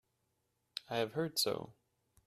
I have heard so.